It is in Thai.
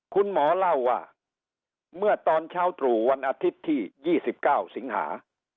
คุณหมอเล่าว่าเมื่อตอนเช้าตรู่วันอาทิตย์ที่๒๙สิงหา